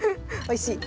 おいしい？